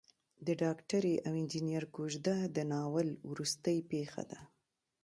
د ډاکټرې او انجنیر کوژده د ناول وروستۍ پېښه ده.